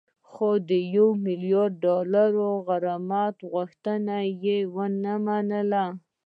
خو د یو میلیارد ډالري غرامت غوښتنه یې ونه منله